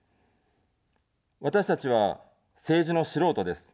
私たちは、政治の素人です。